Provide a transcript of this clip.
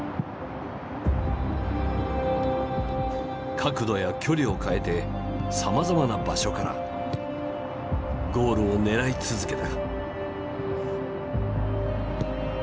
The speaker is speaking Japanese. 角度や距離を変えてさまざまな場所からゴールを狙い続けた。